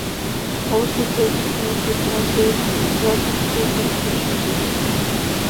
Осып ӧрдыктымӧ сӧсна семын вакшыште коштеш ыле.